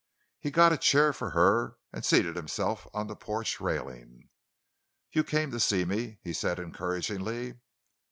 He got a chair for her and seated himself on the porch railing. "You came to see me?" he said, encouragingly.